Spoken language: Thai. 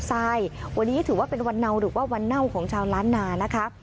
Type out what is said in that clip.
วันนี้อยู่ที่ถือว่าวันน่าวหรือวันเน่าก็ว่าวันน่าวของชาวล้านนานะคะ